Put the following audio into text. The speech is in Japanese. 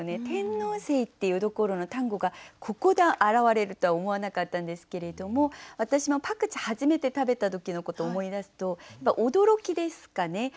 「天王星」っていうところの単語がここで現れるとは思わなかったんですけれども私もパクチー初めて食べた時のことを思い出すと驚きですかね。